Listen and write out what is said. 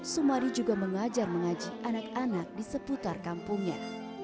sumadi juga mengajar mengaji anak anak di seputar kampungnya